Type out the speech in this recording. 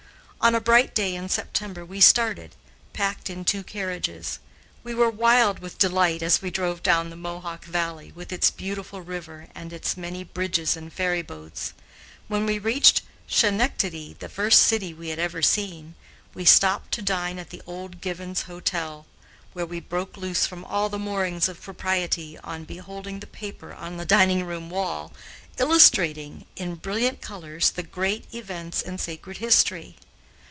On a bright day in September we started, packed in two carriages. We were wild with delight as we drove down the Mohawk Valley, with its beautiful river and its many bridges and ferryboats. When we reached Schenectady, the first city we had ever seen, we stopped to dine at the old Given's Hotel, where we broke loose from all the moorings of propriety on beholding the paper on the dining room wall, illustrating in brilliant colors the great events in sacred history.